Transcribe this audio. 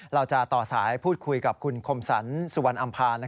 เราจะต่อสายพูดคุยกับคุณคมสรรสุวรรณอำภา